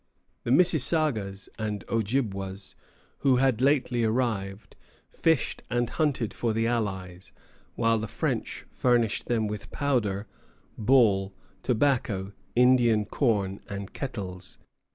The Mississagas and Ojibwas, who had lately arrived, fished and hunted for the allies, while the French furnished them with powder, ball, tobacco, Indian corn, and kettles.